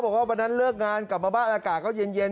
บอกว่าวันนั้นเลิกงานกลับมาบ้านอากาศก็เย็น